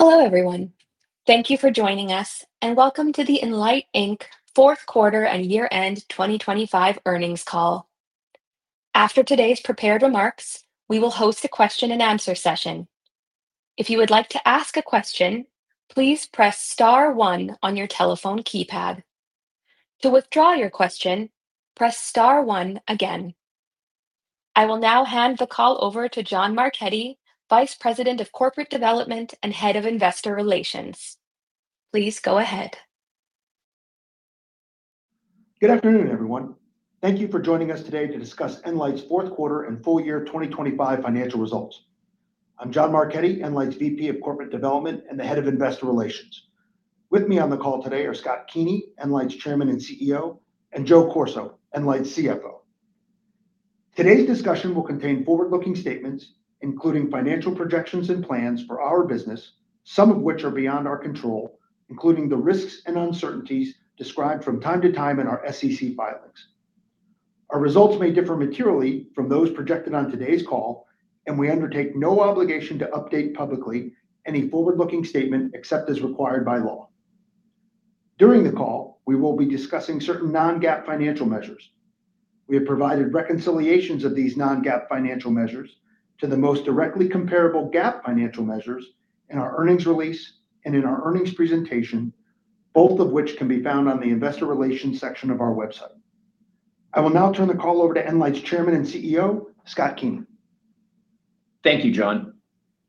Hello, everyone. Thank you for joining us, and welcome to the nLIGHT, Inc. Fourth Quarter and Year-End 2025 Earnings Call. After today's prepared remarks, we will host a question and answer session. If you would like to ask a question, please press star one on your telephone keypad. To withdraw your question, press star one again. I will now hand the call over to John Marchetti, Vice President of Corporate Development and Head of Investor Relations. Please go ahead. Good afternoon, everyone. Thank you for joining us today to discuss nLIGHT's Fourth Quarter and Full Year 2025 financial results. I'm John Marchetti, nLIGHT's VP of Corporate Development and the Head of Investor Relations. With me on the call today are Scott Keeney, nLIGHT's Chairman and CEO, and Joe Corso, nLIGHT's CFO. Today's discussion will contain forward-looking statements, including financial projections and plans for our business, some of which are beyond our control, including the risks and uncertainties described from time to time in our SEC filings. Our results may differ materially from those projected on today's call. We undertake no obligation to update publicly any forward-looking statement except as required by law. During the call, we will be discussing certain non-GAAP financial measures. We have provided reconciliations of these non-GAAP financial measures to the most directly comparable GAAP financial measures in our earnings release and in our earnings presentation, both of which can be found on the investor relations section of our website. I will now turn the call over to nLIGHT's Chairman and CEO, Scott Keeney. Thank you, John.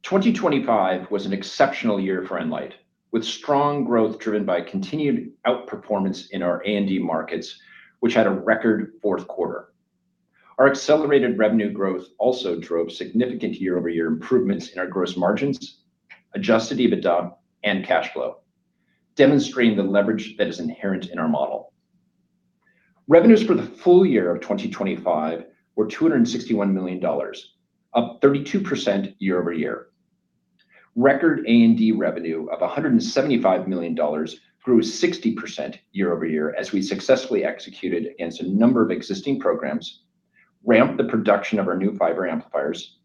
2025 was an exceptional year for nLIGHT, with strong growth driven by continued outperformance in our A&D markets, which had a record fourth quarter. Our accelerated revenue growth also drove significant year-over-year improvements in our gross margins, Adjusted EBITDA and cash flow, demonstrating the leverage that is inherent in our model. Revenues for the full year of 2025 were $261 million, up 32% year-over-year. Record A&D revenue of $175 million grew 60% year-over-year as we successfully executed against a number of existing programs, ramped the production of our new fiber amplifiers,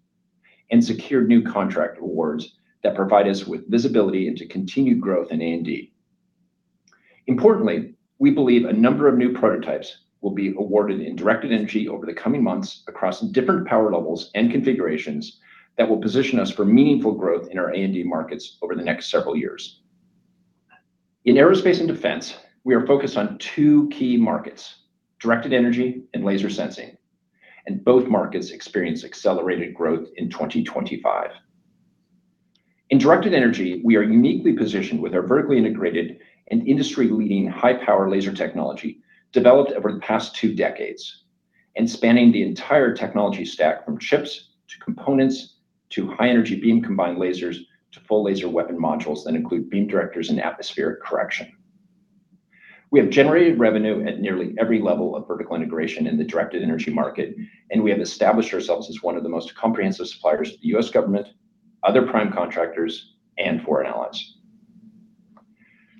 secured new contract awards that provide us with visibility into continued growth in A&D. Importantly, we believe a number of new prototypes will be awarded in directed energy over the coming months across different power levels and configurations that will position us for meaningful growth in our A&D markets over the next several years. In aerospace and defense, we are focused on two key markets: directed energy and laser sensing. Both markets experienced accelerated growth in 2025. In directed energy, we are uniquely positioned with our vertically integrated and industry-leading high-power laser technology developed over the past two decades and spanning the entire technology stack from chips to components to high-energy beam combined lasers to full laser weapon modules that include beam directors and atmospheric correction. We have generated revenue at nearly every level of vertical integration in the directed energy market, and we have established ourselves as one of the most comprehensive suppliers to the U.S. government, other prime contractors, and foreign allies.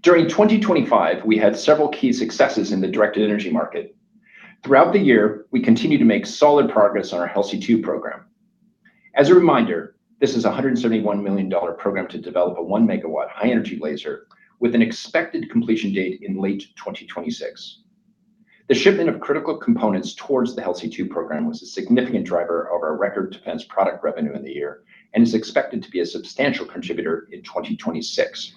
During 2025, we had several key successes in the directed energy market. Throughout the year, we continued to make solid progress on our HELSI-2 program. As a reminder, this is a $171 million program to develop a 1 MW high-energy laser with an expected completion date in late 2026. The shipment of critical components towards the HELSI-2 program was a significant driver of our record defense product revenue in the year and is expected to be a substantial contributor in 2026.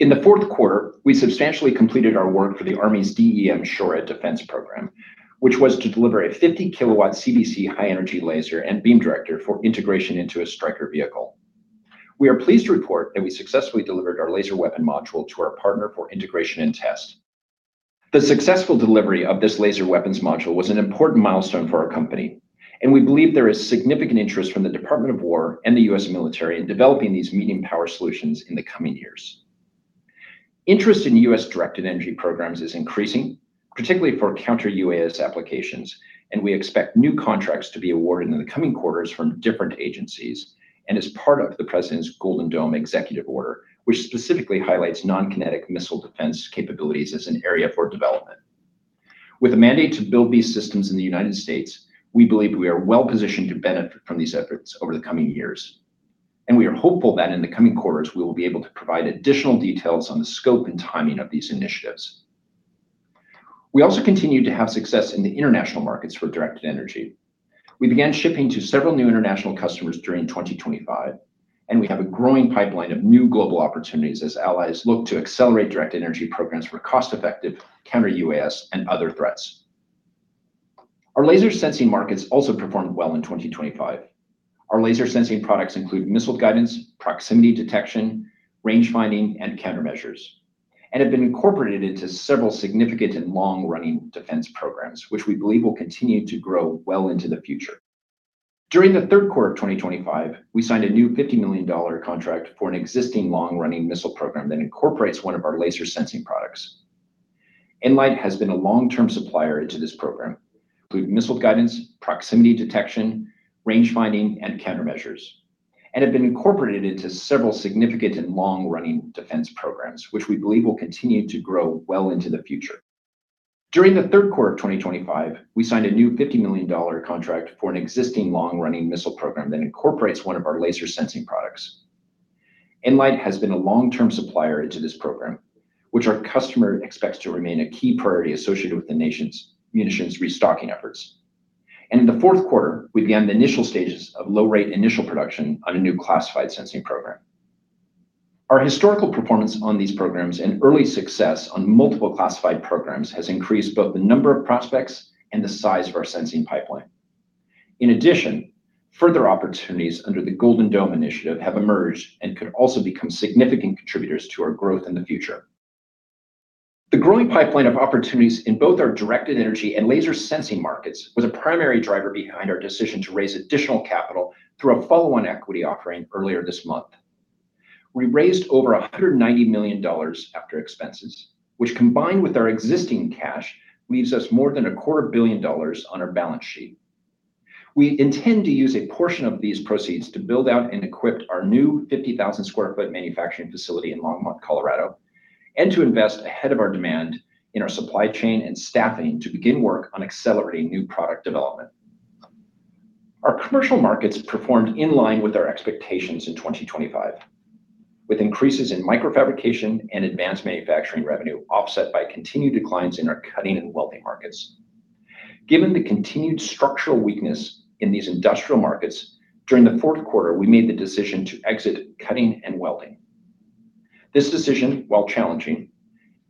In the fourth quarter, we substantially completed our work for the Army's DE M-SHORAD defense program, which was to deliver a 50 kW CBC high-energy laser and beam director for integration into a Stryker vehicle. We are pleased to report that we successfully delivered our laser weapon module to our partner for integration and test. The successful delivery of this laser weapons module was an important milestone for our company, and we believe there is significant interest from the Department of War and the U.S. military in developing these medium-power solutions in the coming years. We expect new contracts to be awarded in the coming quarters from different agencies and as part of the president's Golden Dome executive order, which specifically highlights non-kinetic missile defense capabilities as an area for development. With a mandate to build these systems in the United States, we believe we are well-positioned to benefit from these efforts over the coming years. We are hopeful that in the coming quarters, we will be able to provide additional details on the scope and timing of these initiatives. We also continued to have success in the international markets for directed energy. We began shipping to several new international customers during 2025. We have a growing pipeline of new global opportunities as allies look to accelerate directed energy programs for cost-effective counter-UAS and other threats. Our laser sensing markets also performed well in 2025. Our laser sensing products include missile guidance, proximity detection, range finding, and countermeasures, and have been incorporated into several significant and long-running defense programs, which we believe will continue to grow well into the future. During the third quarter of 2025, we signed a new $50 million contract for an existing long-running missile program that incorporates one of our laser sensing products. nLIGHT has been a long-term supplier into this program, including missile guidance, proximity detection, range finding, and countermeasures, and have been incorporated into several significant and long-running defense programs, which we believe will continue to grow well into the future. During the third quarter of 2025, we signed a new $50 million contract for an existing long-running missile program that incorporates one of our laser sensing products. nLIGHT has been a long-term supplier to this program, which our customer expects to remain a key priority associated with the nation's munitions restocking efforts. In the fourth quarter, we began the initial stages of low-rate initial production on a new classified sensing program. Our historical performance on these programs and early success on multiple classified programs has increased both the number of prospects and the size of our sensing pipeline. Further opportunities under the Golden Dome initiative have emerged and could also become significant contributors to our growth in the future. The growing pipeline of opportunities in both our directed energy and laser sensing markets was a primary driver behind our decision to raise additional capital through a follow-on equity offering earlier this month. We raised over $190 million after expenses, which combined with our existing cash, leaves us more than a quarter billion dollars on our balance sheet. We intend to use a portion of these proceeds to build out and equip our new 50,000 sq ft manufacturing facility in Longmont, Colorado, and to invest ahead of our demand in our supply chain and staffing to begin work on accelerating new product development. Our commercial markets performed in line with our expectations in 2025, with increases in Microfabrication and advanced manufacturing revenue offset by continued declines in our cutting and welding markets. Given the continued structural weakness in these industrial markets, during the fourth quarter, we made the decision to exit cutting and welding. This decision, while challenging,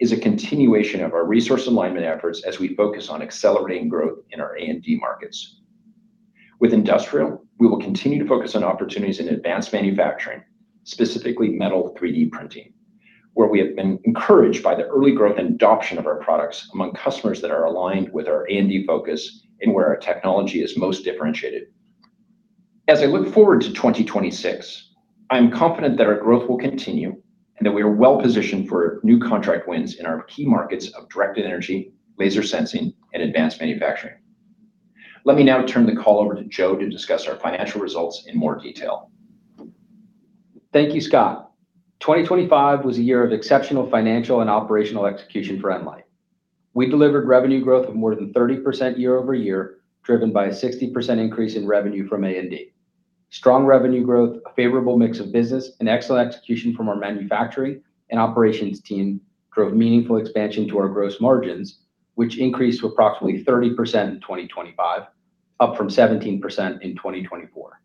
is a continuation of our resource alignment efforts as we focus on accelerating growth in our A&D markets. With industrial, we will continue to focus on opportunities in advanced manufacturing, specifically metal 3D printing, where we have been encouraged by the early growth and adoption of our products among customers that are aligned with our A&D focus and where our technology is most differentiated. As I look forward to 2026, I'm confident that our growth will continue and that we are well-positioned for new contract wins in our key markets of directed energy, laser sensing, and advanced manufacturing. Let me now turn the call over to Joe to discuss our financial results in more detail. Thank you, Scott. 2025 was a year of exceptional financial and operational execution for nLIGHT. We delivered revenue growth of more than 30% year-over-year, driven by a 60% increase in revenue from A&D. Strong revenue growth, a favorable mix of business, and excellent execution from our manufacturing and operations team drove meaningful expansion to our gross margins, which increased to approximately 30% in 2025, up from 17% in 2024.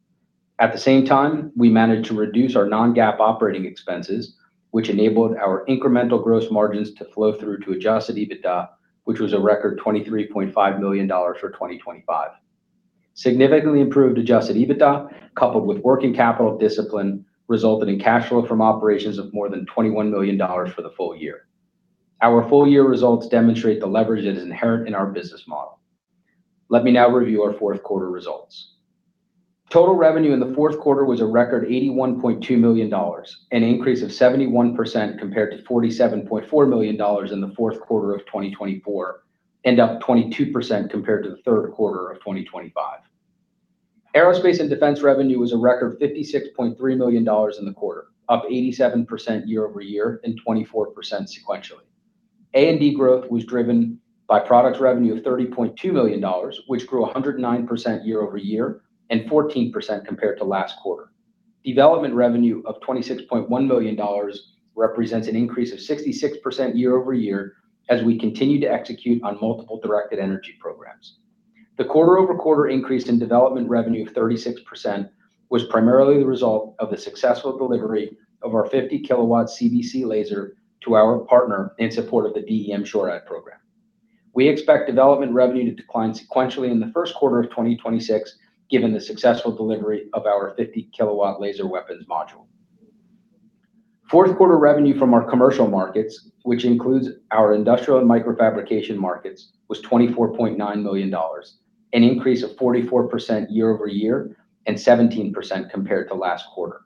At the same time, we managed to reduce our non-GAAP operating expenses, which enabled our incremental gross margins to flow through to Adjusted EBITDA, which was a record $23.5 million for 2025. Significantly improved Adjusted EBITDA, coupled with working capital discipline, resulted in cash flow from operations of more than $21 million for the full year. Our full year results demonstrate the leverage that is inherent in our business model. Let me now review our fourth quarter results. Total revenue in the fourth quarter was a record $81.2 million, an increase of 71% compared to $47.4 million in the fourth quarter of 2024, and up 22% compared to the third quarter of 2025. Aerospace and defense revenue was a record $56.3 million in the quarter, up 87% year-over-year and 24% sequentially. A&D growth was driven by product revenue of $30.2 million, which grew 109% year-over-year and 14% compared to last quarter. Development revenue of $26.1 million represents an increase of 66% year-over-year as we continue to execute on multiple directed energy programs. The quarter-over-quarter increase in development revenue of 36% was primarily the result of the successful delivery of our 50kW CBC laser to our partner in support of the DE M-SHORAD program. We expect development revenue to decline sequentially in the first quarter of 2026, given the successful delivery of our 50kW laser weapon module. Fourth quarter revenue from our commercial markets, which includes our industrial and Microfabrication markets, was $24.9 million, an increase of 44% year-over-year and 17% compared to last quarter.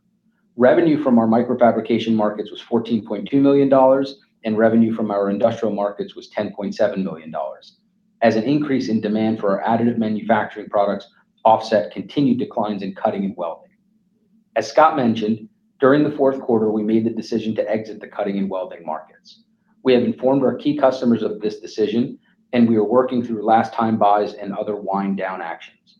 Revenue from our Microfabrication markets was $14.2 million, and revenue from our industrial markets was $10.7 million as an increase in demand for our additive manufacturing products offset continued declines in cutting and welding. As Scott mentioned, during the fourth quarter, we made the decision to exit the cutting and welding markets. We have informed our key customers of this decision. We are working through last-time buys and other wind down actions.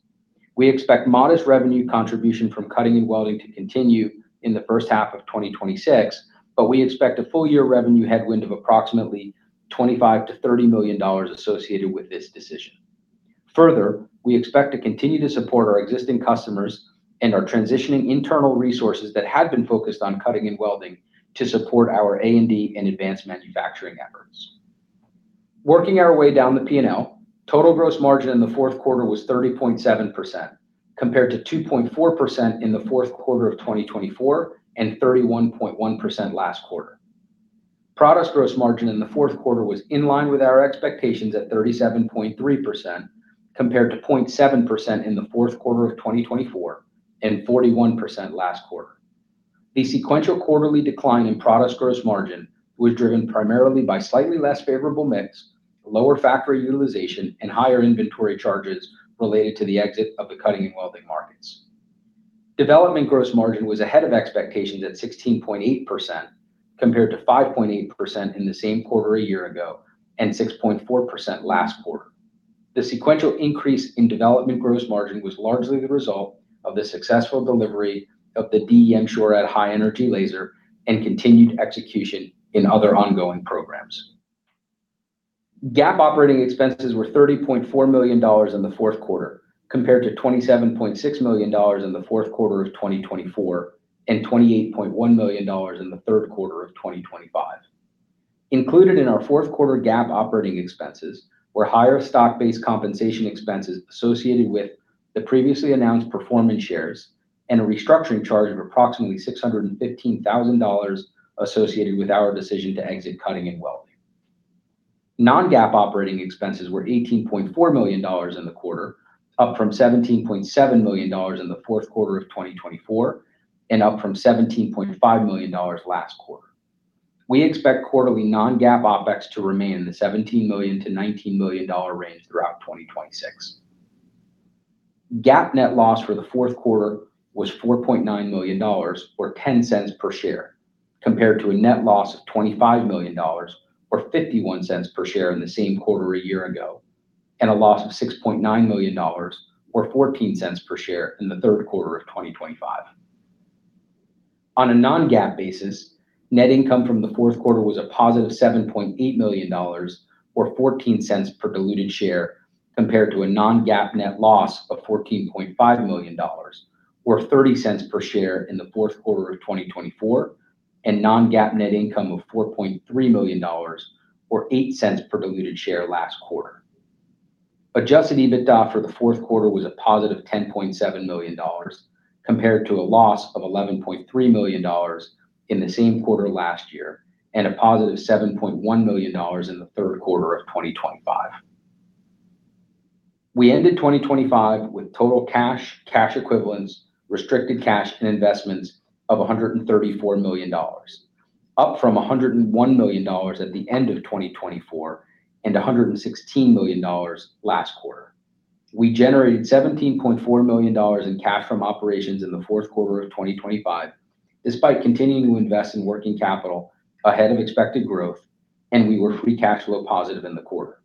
We expect modest revenue contribution from cutting and welding to continue in the first half of 2026. We expect a full year revenue headwind of approximately $25 million-$30 million associated with this decision. Further, we expect to continue to support our existing customers and are transitioning internal resources that had been focused on cutting and welding to support our A&D and advanced manufacturing efforts. Working our way down the P&L, total gross margin in the fourth quarter was 30.7% compared to 2.4% in the fourth quarter of 2024 and 31.1% last quarter. Product gross margin in the fourth quarter was in line with our expectations at 37.3% compared to 0.7% in the fourth quarter of 2024 and 41% last quarter. The sequential quarterly decline in product gross margin was driven primarily by slightly less favorable mix, lower factory utilization, and higher inventory charges related to the exit of the cutting and welding markets. Development gross margin was ahead of expectations at 16.8% compared to 5.8% in the same quarter a year ago and 6.4% last quarter. The sequential increase in development gross margin was largely the result of the successful delivery of the DE M-SHORAD high-energy laser and continued execution in other ongoing programs. GAAP operating expenses were $30.4 million in the fourth quarter compared to $27.6 million in the fourth quarter of 2024, and $28.1 million in the third quarter of 2025. Included in our fourth quarter GAAP operating expenses were higher stock-based compensation expenses associated with the previously announced performance shares and a restructuring charge of approximately $615,000 associated with our decision to exit cutting and welding. Non-GAAP operating expenses were $18.4 million in the quarter, up from $17.7 million in the fourth quarter of 2024, and up from $17.5 million last quarter. We expect quarterly non-GAAP OpEx to remain in the $17 million-$19 million range throughout 2026. GAAP net loss for the fourth quarter was $4.9 million, or $0.10 per share, compared to a net loss of $25 million, or $0.51 per share in the same quarter a year ago, and a loss of $6.9 million, or $0.14 per share in the third quarter of 2025. On a non-GAAP basis, net income from the fourth quarter was a positive $7.8 million, or $0.14 per diluted share, compared to a non-GAAP net loss of $14.5 million, or $0.30 per share in the fourth quarter of 2024, and non-GAAP net income of $4.3 million, or $0.08 per diluted share last quarter. Adjusted EBITDA for the fourth quarter was a positive $10.7 million, compared to a loss of $11.3 million in the same quarter last year, and a positive $7.1 million in the third quarter of 2025. We ended 2025 with total cash equivalents, restricted cash and investments of $134 million, up from $101 million at the end of 2024 and $116 million last quarter. We generated $17.4 million in cash from operations in the fourth quarter of 2025, despite continuing to invest in working capital ahead of expected growth, and we were free cash flow positive in the quarter.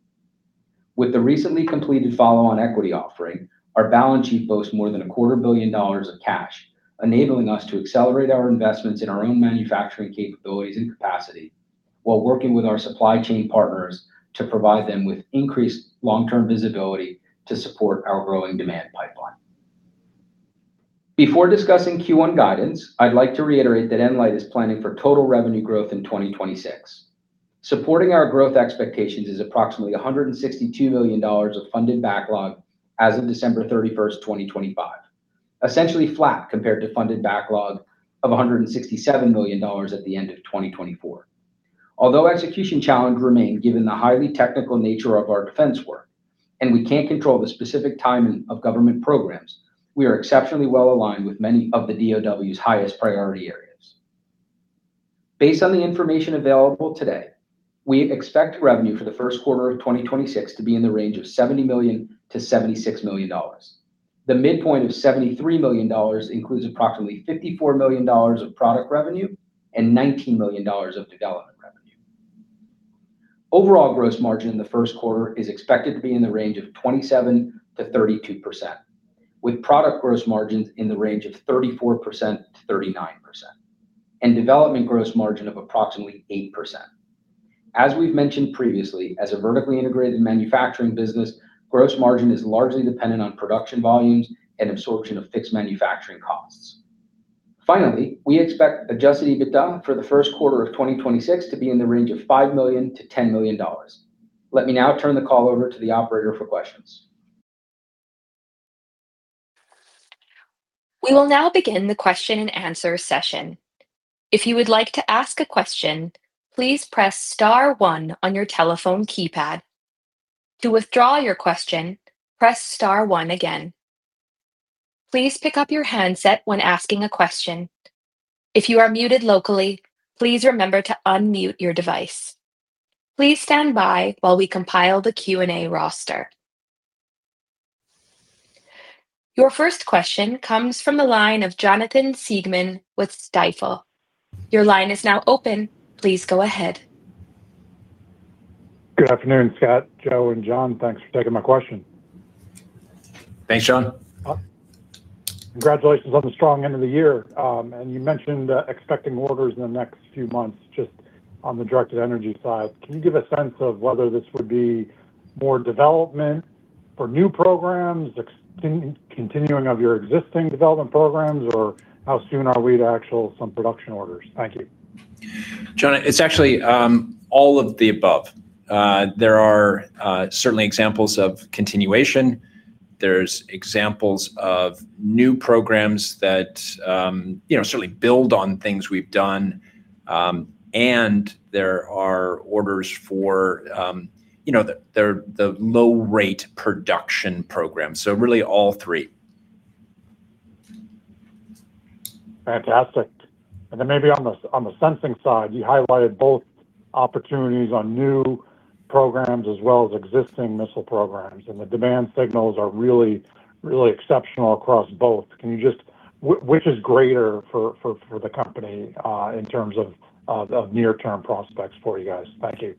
With the recently completed follow-on equity offering, our balance sheet boasts more than a quarter billion dollars of cash, enabling us to accelerate our investments in our own manufacturing capabilities and capacity while working with our supply chain partners to provide them with increased long-term visibility to support our growing demand pipeline. Before discussing Q1 guidance, I'd like to reiterate that nLIGHT is planning for total revenue growth in 2026. Supporting our growth expectations is approximately $162 million of funded backlog as of December 31, 2025. Essentially flat compared to funded backlog of $167 million at the end of 2024. Although execution challenge remain given the highly technical nature of our defense work, and we can't control the specific timing of government programs, we are exceptionally well aligned with many of the DoW's highest priority areas. Based on the information available today, we expect revenue for the first quarter of 2026 to be in the range of $70 million-$76 million. The midpoint of $73 million includes approximately $54 million of product revenue and $19 million of development revenue. Overall gross margin in the first quarter is expected to be in the range of 27%-32%, with product gross margins in the range of 34%-39%, and development gross margin of approximately 8%. As we've mentioned previously, as a vertically integrated manufacturing business, gross margin is largely dependent on production volumes and absorption of fixed manufacturing costs. Finally, we expect Adjusted EBITDA for the first quarter of 2026 to be in the range of $5 million-$10 million. Let me now turn the call over to the operator for questions. We will now begin the question and answer session. If you would like to ask a question, please press star one on your telephone keypad. To withdraw your question, press star one again. Please pick up your handset when asking a question. If you are muted locally, please remember to unmute your device. Please stand by while we compile the Q&A roster. Your first question comes from the line of Jonathan Siegmann with Stifel. Your line is now open. Please go ahead. Good afternoon, Scott, Joe, and John. Thanks for taking my question. Thanks, John. Congratulations on the strong end of the year. You mentioned expecting orders in the next few months, just on the directed energy side. Can you give a sense of whether this would be more development for new programs, continuing of your existing development programs, or how soon are we to actual some production orders? Thank you. Jonah, it's actually all of the above. There are certainly examples of continuation. There's examples of new programs that, you know, certainly build on things we've done. There are orders for, you know, the, the low rate production program. Really all three. Fantastic. Maybe on the, on the sensing side, you highlighted both opportunities on new programs as well as existing missile programs, and the demand signals are really exceptional across both. Which is greater for the company, in terms of near-term prospects for you guys? Thank you.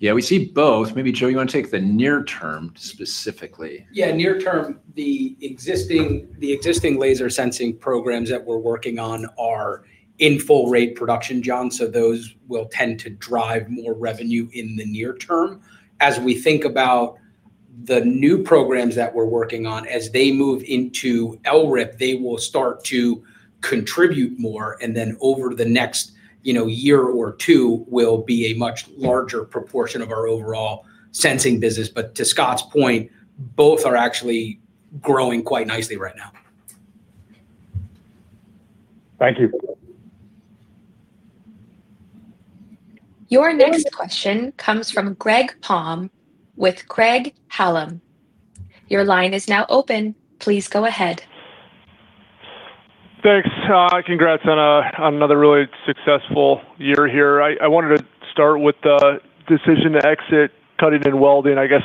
We see both. Maybe, Joe, you want to take the near term specifically? Yeah. Near term, the existing laser sensing programs that we're working on are in full rate production, John. Those will tend to drive more revenue in the near term. As we think about the new programs that we're working on, as they move into LRIP, they will start to contribute more. Over the next, you know, year or two will be a much larger proportion of our overall sensing business. To Scott's point, both are actually growing quite nicely right now. Thank you. Your next question comes from Greg Palm with Craig-Hallum. Your line is now open. Please go ahead. Thanks. Congrats on another really successful year here. I wanted to start with the decision to exit cutting and welding. I guess,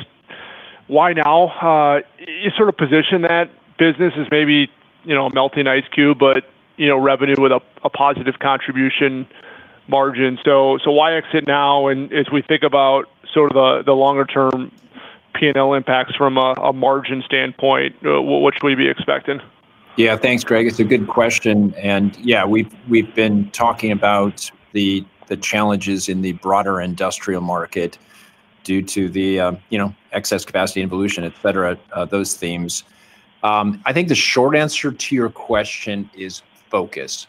why now? You sort of positioned that business as maybe, you know, a melting ice cube, but, you know, revenue with a positive contribution margin. Why exit now? As we think about sort of the longer term P&L impacts from a margin standpoint, what should we be expecting? Yeah. Thanks, Greg. It's a good question. Yeah, we've been talking about the challenges in the broader industrial market due to the, you know, excess capacity evolution, et cetera, those themes. I think the short answer to your question is focus.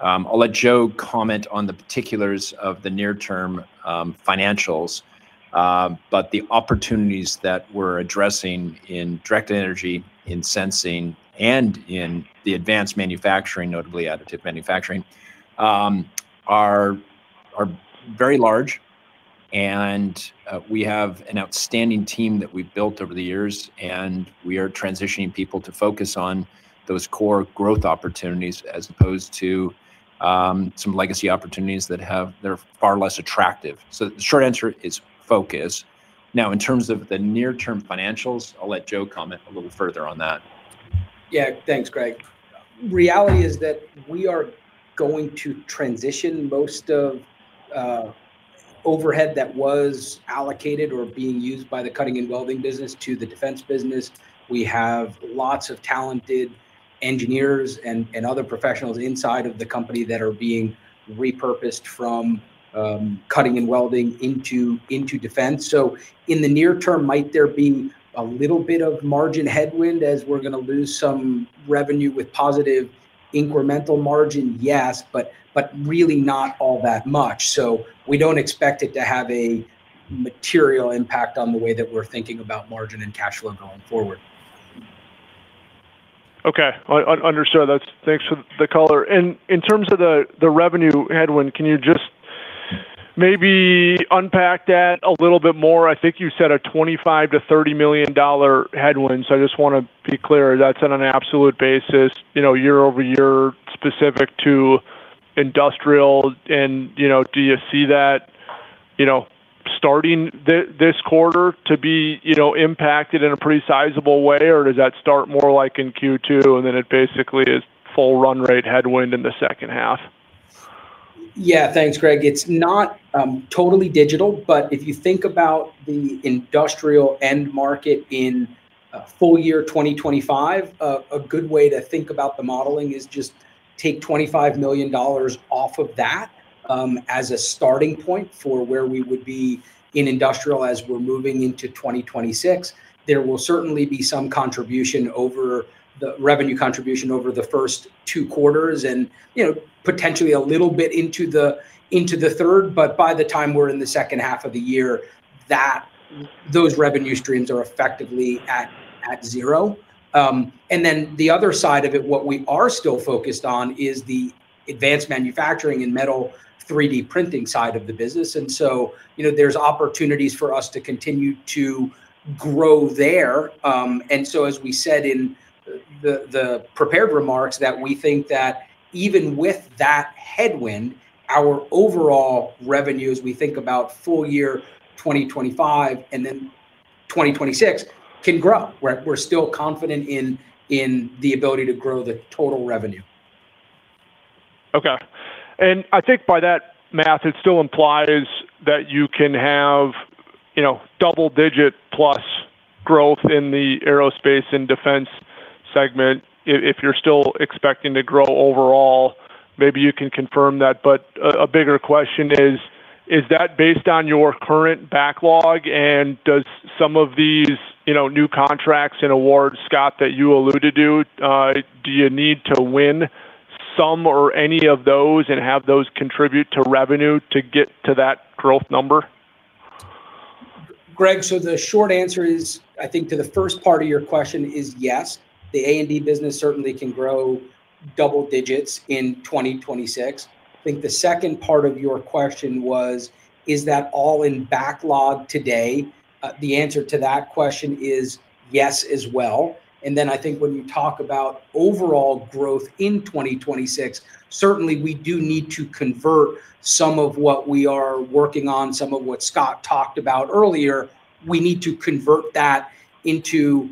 I'll let Joe comment on the particulars of the near-term financials. The opportunities that we're addressing in directed energy, in sensing, and in the advanced manufacturing, notably additive manufacturing, are very large and we have an outstanding team that we've built over the years, and we are transitioning people to focus on those core growth opportunities as opposed to some legacy opportunities that are far less attractive. The short answer is focus. In terms of the near-term financials, I'll let Joe comment a little further on that. Thanks, Greg. Reality is that we are going to transition most of overhead that was allocated or being used by the cutting and welding business to the defense business. We have lots of talented engineers and other professionals inside of the company that are being repurposed from cutting and welding into defense. In the near term, might there be a little bit of margin headwind as we're gonna lose some revenue with positive incremental margin? Yes, but really not all that much. We don't expect it to have a material impact on the way that we're thinking about margin and cash flow going forward. Okay. Understood. Thanks for the color. In terms of the revenue headwind, can you just maybe unpack that a little bit more? I think you said a $25 million-$30 million headwind, I just wanna be clear. That's on an absolute basis, you know, year-over-year, specific to industrial, you know, do you see that, you know, starting this quarter to be, you know, impacted in a pretty sizable way, or does that start more like in Q2 it basically is full run rate headwind in the second half? Thanks, Greg. It's not totally digital, but if you think about the industrial end market in full year 2025, a good way to think about the modeling is just take $25 million off of that as a starting point for where we would be in industrial as we're moving into 2026. There will certainly be some contribution over the revenue contribution over the first two quarters and, you know, potentially a little bit into the, into the third. But by the time we're in the second half of the year, those revenue streams are effectively at zero. The other side of it, what we are still focused on is the advanced manufacturing and metal 3D printing side of the business. There's opportunities for us to continue to grow there. As we said in the prepared remarks, that we think that even with that headwind, our overall revenue as we think about full year 2025 and then 2026 can grow. We're still confident in the ability to grow the total revenue. Okay. I think by that math, it still implies that you can have, you know, double digit plus growth in the aerospace and defense segment if you're still expecting to grow overall. Maybe you can confirm that. A bigger question is that based on your current backlog, and does some of these, you know, new contracts and awards, Scott, that you alluded to, do you need to win some or any of those and have those contribute to revenue to get to that growth number? Greg, the short answer is, I think to the first part of your question is yes, the A&D business certainly can grow double digits in 2026. I think the second part of your question was, is that all in backlog today? The answer to that question is yes as well. Then I think when you talk about overall growth in 2026, certainly we do need to convert some of what we are working on, some of what Scott talked about earlier, we need to convert that into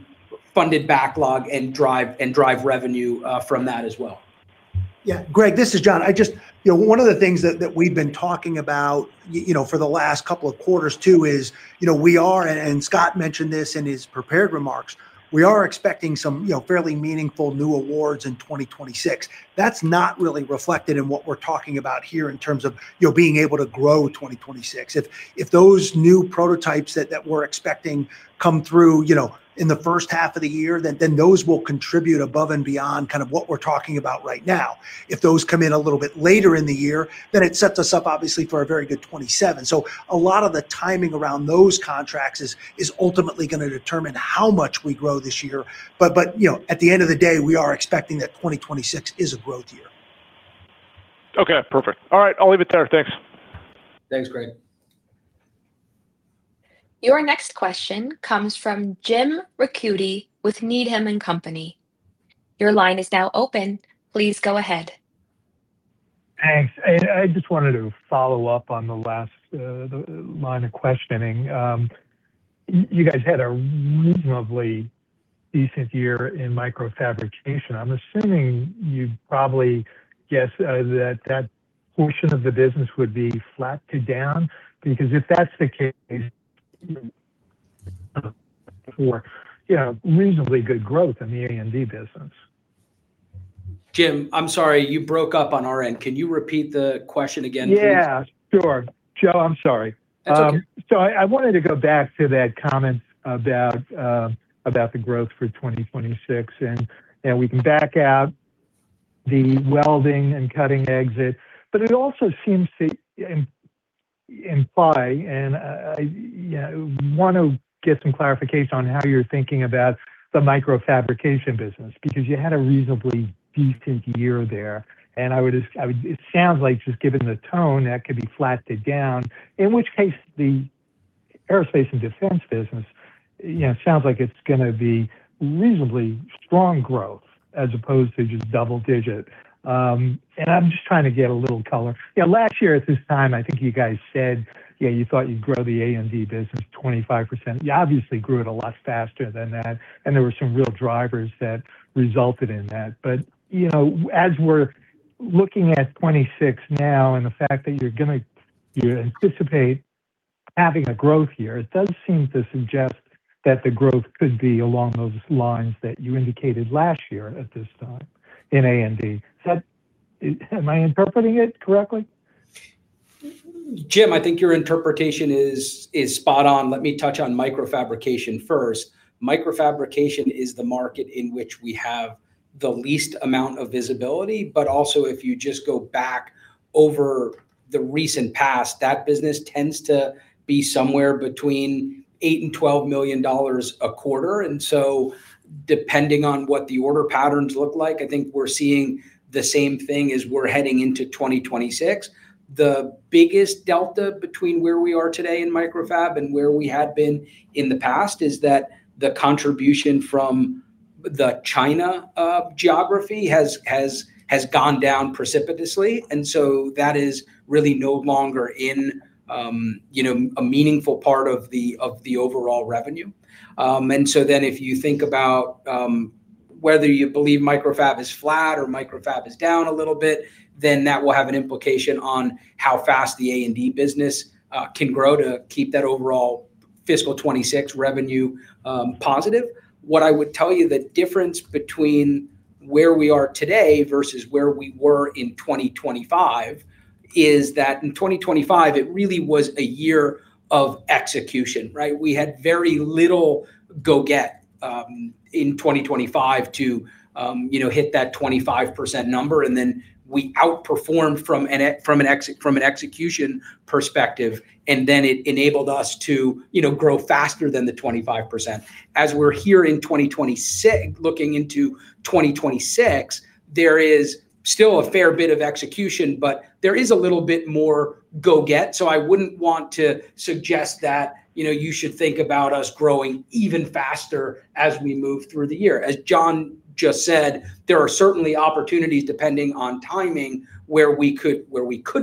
funded backlog and drive revenue from that as well. Yeah. Greg, this is John. I just, you know, one of the things that we've been talking about you know, for the last couple of quarters too is, you know, we are, and Scott mentioned this in his prepared remarks, we are expecting some, you know, fairly meaningful new awards in 2026. That's not really reflected in what we're talking about here in terms of, you know, being able to grow 2026. If those new prototypes that we're expecting come through, you know, in the first half of the year, then those will contribute above and beyond kind of what we're talking about right now. If those come in a little bit later in the year, then it sets us up obviously for a very good 2027. A lot of the timing around those contracts is ultimately gonna determine how much we grow this year. You know, at the end of the day, we are expecting that 2026 is a growth year. Okay, perfect. All right, I'll leave it there. Thanks. Thanks, Greg. Your next question comes from Jim Ricchiuti with Needham & Company. Your line is now open. Please go ahead. Thanks. I just wanted to follow up on the last line of questioning. You guys had a reasonably decent year in Microfabrication. I'm assuming you'd probably guess that portion of the business would be flat to down. If that's the case, for, you know, reasonably good growth in the A&D business. Jim, I'm sorry, you broke up on our end. Can you repeat the question again, please? Yeah, sure. Joe, I'm sorry. That's okay. I wanted to go back to that comment about the growth for 2026, and we can back out the welding and cutting exit. It also seems to imply, and I, you know, want to get some clarification on how you're thinking about the Microfabrication business, because you had a reasonably decent year there. It sounds like, just given the tone, that could be flat to down, in which case the aerospace and defense business, you know, sounds like it's gonna be reasonably strong growth as opposed to just double-digit. I'm just trying to get a little color. You know, last year at this time, I think you guys said, you know, you thought you'd grow the A&D business 25%. You obviously grew it a lot faster than that, and there were some real drivers that resulted in that. You know, as we're looking at 2026 now and the fact that you anticipate having a growth year, it does seem to suggest that the growth could be along those lines that you indicated last year at this time in A&D. Am I interpreting it correctly? Jim, I think your interpretation is spot on. Let me touch on Microfabrication first. Microfabrication is the market in which we have the least amount of visibility. If you just go back over the recent past, that business tends to be somewhere between $8 million-$12 million a quarter. Depending on what the order patterns look like, I think we're seeing the same thing as we're heading into 2026. The biggest delta between where we are today in Microfab and where we had been in the past is that the contribution from the China geography has gone down precipitously. That is really no longer in, you know, a meaningful part of the overall revenue. If you think about, whether you believe Microfab is flat or Microfab is down a little bit, then that will have an implication on how fast the A&D business can grow to keep that overall fiscal 2026 revenue positive. What I would tell you the difference between where we are today versus where we were in 2025 is that in 2025, it really was a year of execution, right? We had very little go get in 2025 to, you know, hit that 25% number, and then we outperformed from an execution perspective, and then it enabled us to, you know, grow faster than the 25%. As we're here in 2026 looking into 2026, there is still a fair bit of execution. There is a little bit more go get. I wouldn't want to suggest that, you know, you should think about us growing even faster as we move through the year. As John just said, there are certainly opportunities depending on timing where we could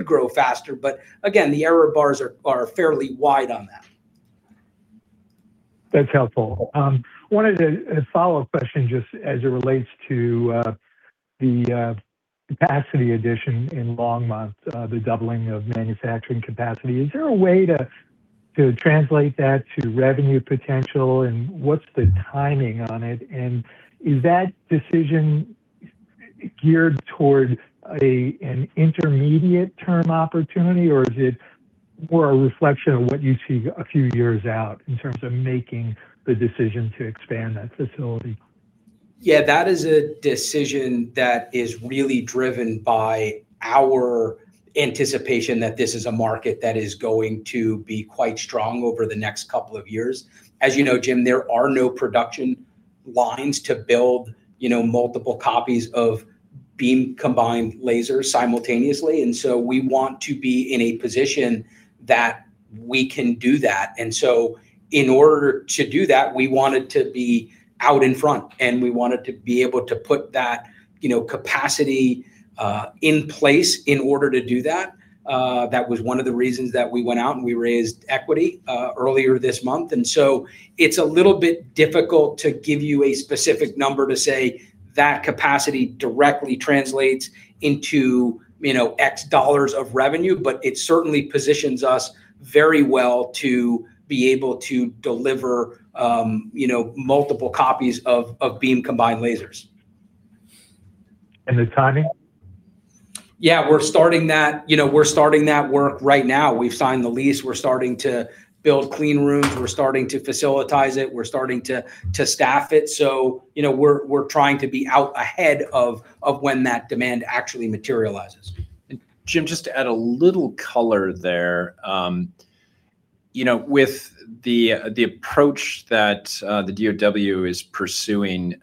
grow faster. Again, the error bars are fairly wide on that. That's helpful. wanted a follow-up question just as it relates to the capacity addition in Longmont, the doubling of manufacturing capacity. Is there a way to translate that to revenue potential, and what's the timing on it? Is that decision geared toward an intermediate term opportunity, or is it more a reflection of what you see a few years out in terms of making the decision to expand that facility? Yeah, that is a decision that is really driven by our anticipation that this is a market that is going to be quite strong over the next couple of years. As you know, Jim, there are no production lines to build, you know, multiple copies of beam combined lasers simultaneously. We want to be in a position that we can do that. In order to do that, we wanted to be out in front, and we wanted to be able to put that, you know, capacity in place in order to do that. That was one of the reasons that we went out and we raised equity earlier this month. It's a little bit difficult to give you a specific number to say that capacity directly translates into, you know, X dollars of revenue, but it certainly positions us very well to be able to deliver, you know, multiple copies of beam combined lasers. The timing? Yeah, we're starting that. You know, we're starting that work right now. We've signed the lease. We're starting to build clean rooms. We're starting to facilitize it. We're starting to staff it. You know, we're trying to be out ahead of when that demand actually materializes. Jim, just to add a little color there, you know, with the approach that the DoW is pursuing,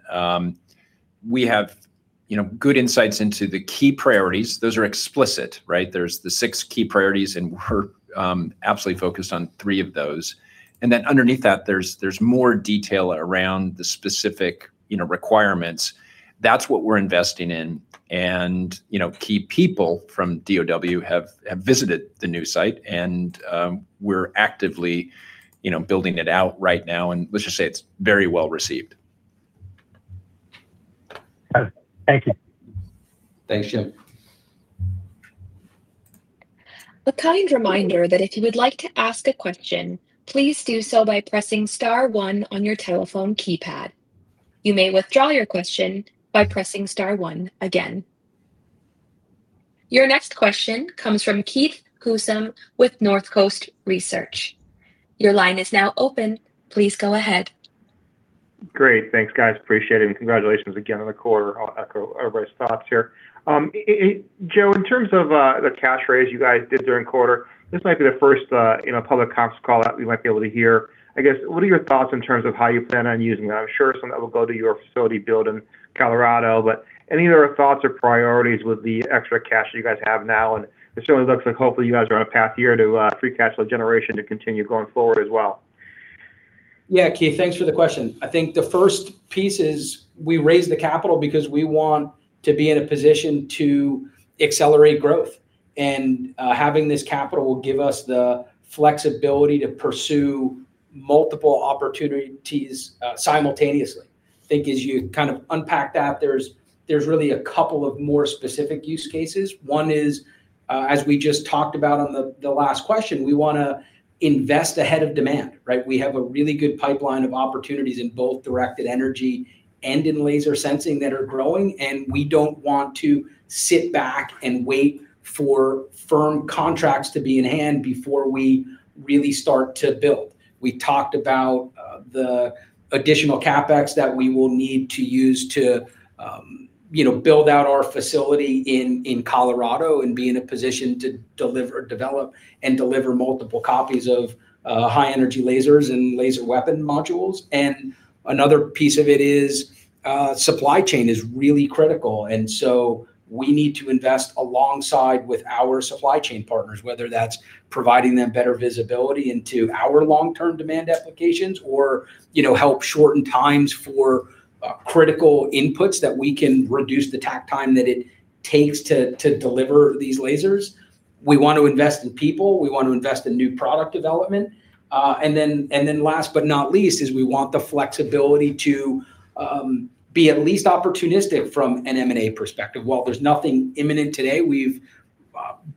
we have, you know, good insights into the key priorities. Those are explicit, right? There's the six key priorities, and we're absolutely focused on three of those. Underneath that, there's more detail around the specific, you know, requirements. That's what we're investing in. You know, key people from DoW have visited the new site, and we're actively, you know, building it out right now. Let's just say it's very well-received. Okay. Thank you. Thanks, Jim. A kind reminder that if you would like to ask a question, please do so by pressing star one on your telephone keypad. You may withdraw your question by pressing star one again. Your next question comes from Keith Housum with Northcoast Research. Your line is now open. Please go ahead. Great. Thanks, guys. Appreciate it. Congratulations again on the quarter. I'll echo everybody's thoughts here. Joe, in terms of the cash raise you guys did during quarter, this might be the first, you know, public comps call that we might be able to hear. I guess, what are your thoughts in terms of how you plan on using that? I'm sure some of that will go to your facility build in Colorado. Any other thoughts or priorities with the extra cash that you guys have now? It sure looks like hopefully you guys are on a path here to free cash flow generation to continue going forward as well. Yeah, Keith, thanks for the question. I think the first piece is we raised the capital because we want to be in a position to accelerate growth. Having this capital will give us the flexibility to pursue multiple opportunities simultaneously. I think as you kind of unpack that, there's really a couple of more specific use cases. One is, as we just talked about on the last question, we wanna invest ahead of demand, right? We have a really good pipeline of opportunities in both directed energy and in laser sensing that are growing, and we don't want to sit back and wait for firm contracts to be in hand before we really start to build. We talked about the additional CapEx that we will need to use to, you know, build out our facility in Colorado and be in a position to deliver, develop and deliver multiple copies of high-energy lasers and laser weapon modules. Another piece of it is supply chain is really critical. So we need to invest alongside with our supply chain partners, whether that's providing them better visibility into our long-term demand applications or, you know, help shorten times for critical inputs that we can reduce the takt time that it takes to deliver these lasers. We want to invest in people. We want to invest in new product development. Then last but not least is we want the flexibility to be at least opportunistic from an M&A perspective. While there's nothing imminent today, we've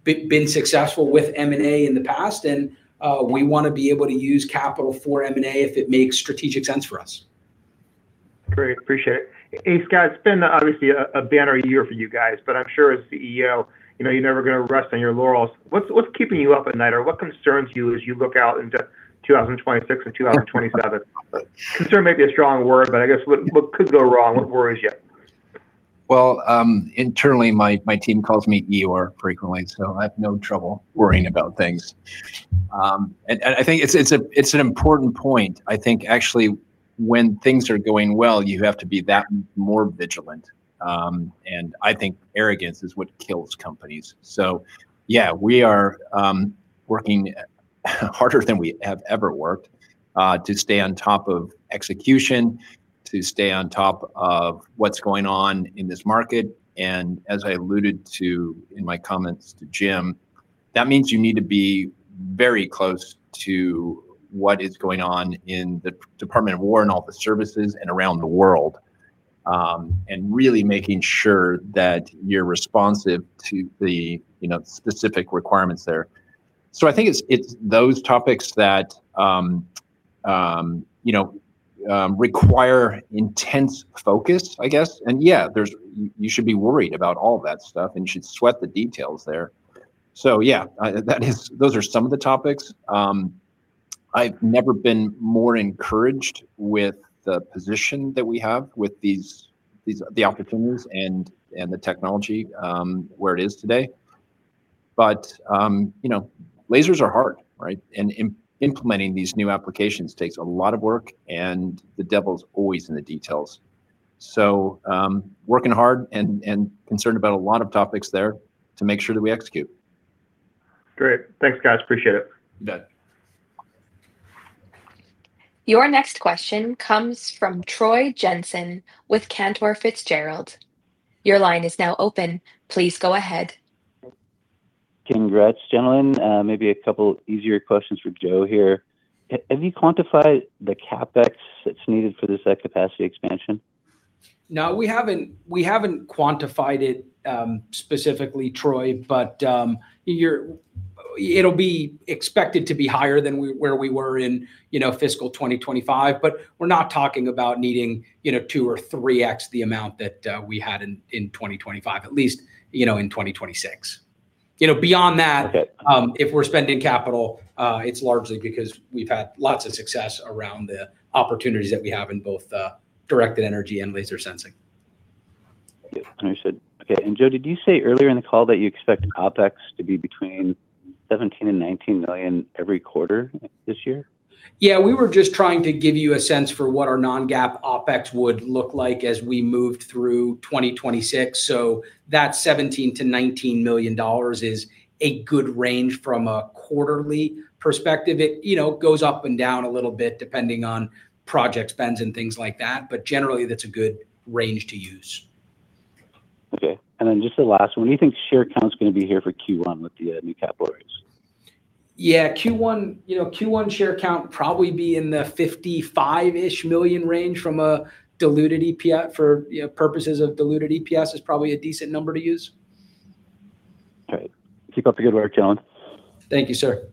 been successful with M&A in the past, and we wanna be able to use capital for M&A if it makes strategic sense for us. Great. Appreciate it. Hey, Scott, it's been obviously a banner year for you guys, but I'm sure as CEO, you know, you're never gonna rest on your laurels. What's keeping you up at night, or what concerns you as you look out into 2026 and 2027? Concern may be a strong word, but I guess what could go wrong? What worries you? Well, internally, my team calls me Eeyore frequently, so I have no trouble worrying about things. I think it's an important point. I think actually when things are going well, you have to be that more vigilant. I think arrogance is what kills companies. Yeah, we are working harder than we have ever worked to stay on top of execution, to stay on top of what's going on in this market. As I alluded to in my comments to Jim, that means you need to be very close to what is going on in the Department of War and all the services and around the world, and really making sure that you're responsive to the, you know, specific requirements there. I think it's those topics that, you know, require intense focus, I guess. Yeah, you should be worried about all that stuff, and you should sweat the details there. Yeah, I, that is, those are some of the topics. I've never been more encouraged with the position that we have with these, the opportunities and the technology, where it is today. You know, lasers are hard, right? Implementing these new applications takes a lot of work, and the devil's always in the details. Working hard and concerned about a lot of topics there to make sure that we execute. Great. Thanks, guys. Appreciate it. You bet. Your next question comes from Troy Jensen with Cantor Fitzgerald. Your line is now open. Please go ahead. Congrats, gentlemen. Maybe a couple easier questions for Joe here. Have you quantified the CapEx that's needed for this capacity expansion? No, we haven't. We haven't quantified it, specifically, Troy, It'll be expected to be higher than we, where we were in, you know, fiscal 2025, we're not talking about needing, you know, two or 3x the amount that we had in 2025, at least, you know, in 2026. You know, beyond that... Okay If we're spending capital, it's largely because we've had lots of success around the opportunities that we have in both, directed energy and laser sensing. Understood. Okay. Joe, did you say earlier in the call that you expect OpEx to be between $17 million and $19 million every quarter this year? Yeah. We were just trying to give you a sense for what our non-GAAP OpEx would look like as we moved through 2026. That $17 million-$19 million is a good range from a quarterly perspective. It, you know, goes up and down a little bit depending on project spends and things like that, but generally that's a good range to use. Okay. Then just the last one, what do you think share count's gonna be here for Q1 with the new capital raise? Yeah. Q1, you know, Q1 share count would probably be in the 55-ish million range. For, you know, purposes of diluted EPS is probably a decent number to use. All right. Keep up the good work, gentlemen. Thank you, sir.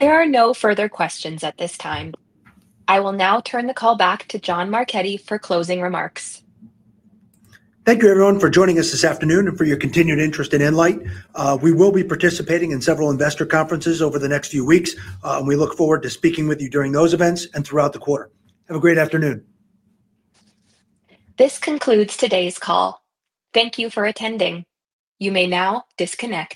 There are no further questions at this time. I will now turn the call back to John Marchetti for closing remarks. Thank you everyone for joining us this afternoon and for your continued interest in nLIGHT. We will be participating in several investor conferences over the next few weeks, and we look forward to speaking with you during those events and throughout the quarter. Have a great afternoon. This concludes today's call. Thank you for attending. You may now disconnect.